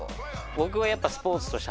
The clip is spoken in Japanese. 僕はやっぱ。